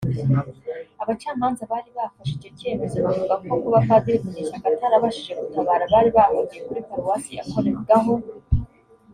Abacamanza bari bafashe icyo cyemezo bavuga ko kuba Padiri Munyeshyaka atarabashije gutabara abari bahungiye kuri Paruwasi yakoragaho